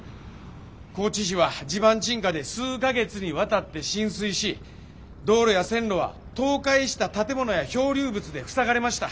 高知市は地盤沈下で数か月にわたって浸水し道路や線路は倒壊した建物や漂流物で塞がれました。